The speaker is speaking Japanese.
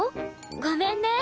ごめんね。